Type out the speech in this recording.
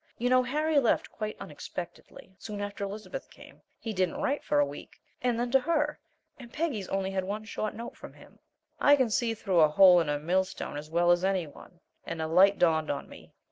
You know Harry left quite unexpectedly soon after Elizabeth came; he didn't write for a week and then to her, and Peggy's only had one short note from him " I can see through a hole in a millstone as well as any one, and a light dawned on me.